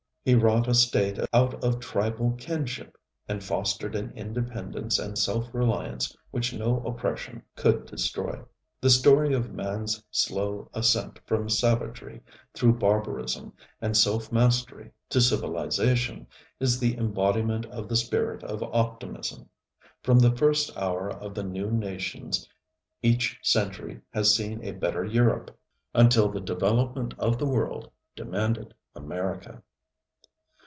He wrought a state out of tribal kinship and fostered an independence and self reliance which no oppression could destroy. The story of manŌĆÖs slow ascent from savagery through barbarism and self mastery to civilization is the embodiment of the spirit of optimism. From the first hour of the new nations each century has seen a better Europe, until the development of the world demanded America.